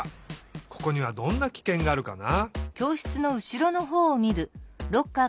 ここにはどんなキケンがあるかな？